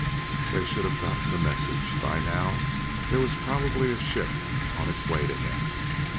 They should have gotten the message. By now, there was probably a ship on its way to him.